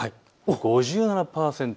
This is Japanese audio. ５７％。